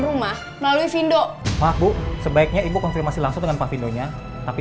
rumah melalui findo maaf bu sebaiknya ibu konfirmasi langsung dengan pak findo nya tapi